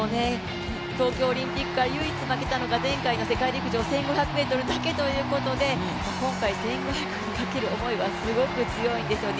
東京オリンピックは、唯一負けたのが前回の世界陸上、１５００ｍだけということで今回、１５００にかける思いはすごく強いんですよね。